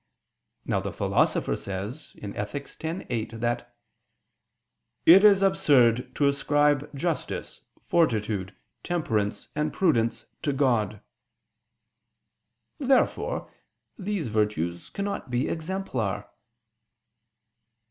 Now the Philosopher says (Ethic. x, 8) that "it is absurd to ascribe justice, fortitude, temperance, and prudence to God." Therefore these virtues cannot be exemplar.